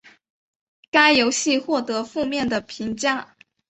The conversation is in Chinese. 该游戏获得负面的评价。